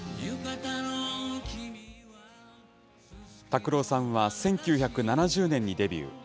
拓郎さんは１９７０年にデビュー。